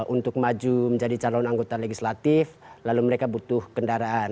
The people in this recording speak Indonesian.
untuk maju menjadi calon anggota legislatif lalu mereka butuh kendaraan